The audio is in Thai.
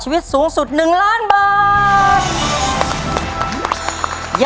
ใช่นักร้องบ้านนอก